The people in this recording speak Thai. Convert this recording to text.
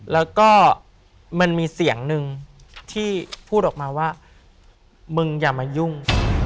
แล้วก็มันมีเสียงหนึ่งที่พูดออกมาว่ามึงอย่ามายุ่ง